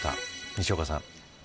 西岡さん。